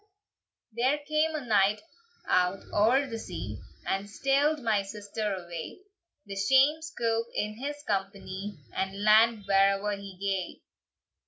"There came a knight out oer the sea, And steald my sister away; The shame scoup in his company, And land where'er he gae!"